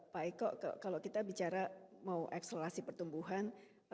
pak eko kalau kita bicara mau eksplorasi pertumbuhan